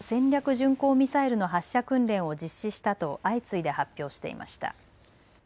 巡航ミサイルの発射訓練を実施したと相次いで発表していました。